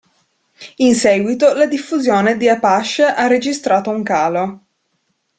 In seguito, la diffusione di Apache ha registrato un calo.